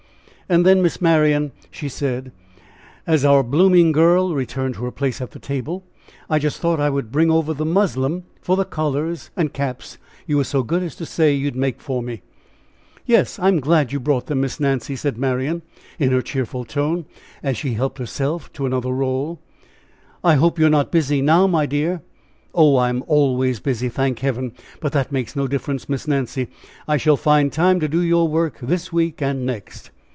And then, Miss Marian," she said, as our blooming girl returned to her place at the table, "I just thought I would bring over that muslin for the collars and caps you were so good as to say you'd make for me." "Yes, I am glad you brought them, Miss Nancy," said Marian, in her cheerful tone, as she helped herself to another roll. "I hope you are not busy now, my dear." "Oh, I'm always busy, thank Heaven! but that makes no difference, Miss Nancy; I shall find time to do your work this week and next."